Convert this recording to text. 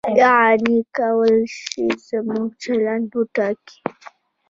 یعنې کولای شي زموږ چلند وټاکي.